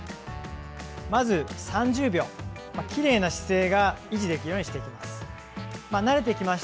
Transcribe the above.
まず３０秒きれいな姿勢が維持できるようにしていただきます。